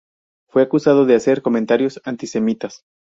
Fue acusado de hacer comentarios antisemitas.